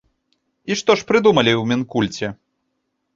І што ж прыдумалі ў мінкульце?